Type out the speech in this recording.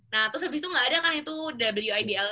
nah terus habis itu nggak ada kan itu wibl